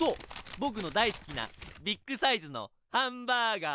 ボクの大好きなビッグサイズのハンバーガー。